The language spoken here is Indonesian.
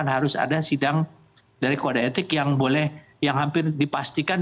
harus ada sidang dari kode etik yang boleh yang hampir dipastikan